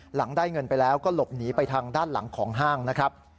หลังได้เงินไปแล้วก็หลบหนีไปทางด้านหลังของห้างนะครับ